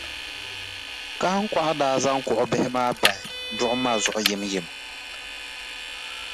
Kahiŋkɔɣu daa zaŋ kuɣʼ bihi maa bahi duɣu ma zuɣu yimyim.